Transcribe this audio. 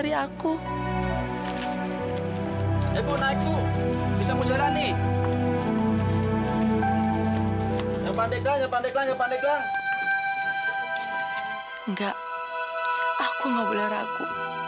bisa kurang jatuh lagi nih ibu